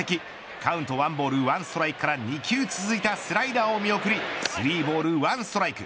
カウント１ボール１ストライクから２球続いたスライダーを見送り３ボール１ストライク。